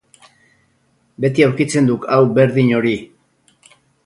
Beti aurkitzen duk hau berdin hori.